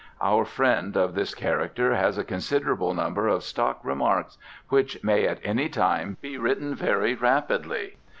Our friend of this character has a considerable number of stock remarks which may at any time be written very rapidly.